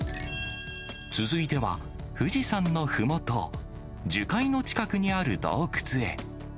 続いては、富士山のふもと、樹海の近くにある洞窟へ。